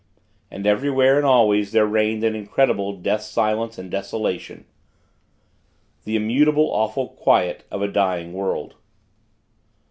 And everywhere and always there reigned an incredible death silence and desolation. The immutable, awful quiet of a dying world.